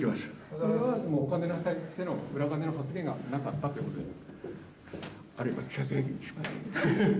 それはお金に対しての、裏金の発言はなかったということですか？